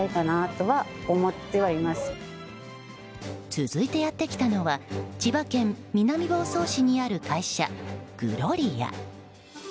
続いてやってきたのは千葉県南房総市にある会社グロリア。